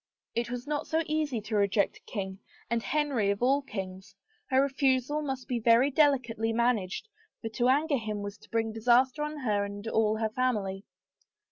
It was not so easy to reject a king and Henry of all kings ; her refusal must be very delicately managed for to anger him was to bring disaster on her and all hef family.